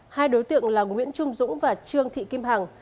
hai đối tượng là nguyễn trung dũng và trương thị kim hằng